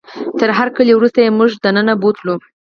تر هرکلي وروسته یې موږ دننه بوتلو.